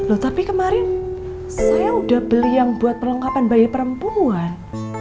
loh tapi kemarin saya udah beli yang buat perlengkapan bayi perempuan